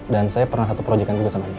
dan saya pernah satu project kan juga sama dia